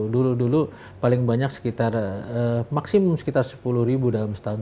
dulu dulu paling banyak sekitar maksimum sekitar sepuluh ribu dalam setahun